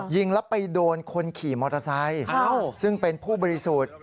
ยิงแล้วไปโดนคนขี่มอเตอร์ไซค์ซึ่งเป็นผู้บริสุทธิ์